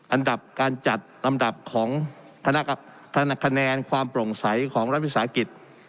อันดับการจัดลำดับของคะแนนความโปร่งใสของรัฐวิสาหกิจ